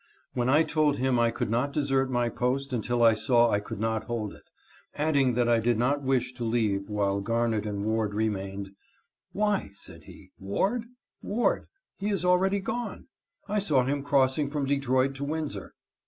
When I told him I could not desert my post until I saw I could not hold it, adding that I did not wish to leave while Garnet and Ward remained, " Why," said he, " Ward ? Ward, he is already gone. I saw him crossing from Detroit to Windsor."